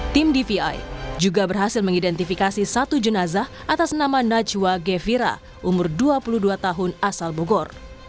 tim dvi juga berhasil mengidentifikasi satu jenazah atas nama najwa gevira umur dua puluh dua tahun asal bogor